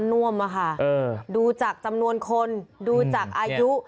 น้วมดูจากจำนวนคนดูจากอายุ